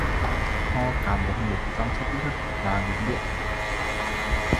Kho cá bống mủ trong trét đất là đúng điệu